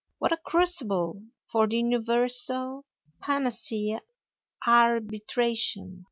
What a crucible for the universal panacea, arbitration!